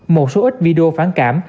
một số ít video phán kết